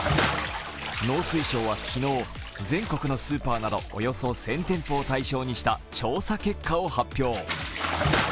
農水省は昨日、全国のスーパーなどおよそ１０００店舗を対象にした調査結果を発表。